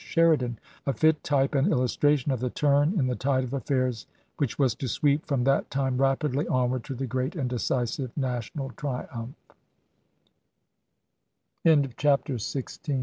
Sheridan, a fit type and illustra tion of the turn in the tide of affairs, which was to sweep from that time rapidly onward to the great and decisive nati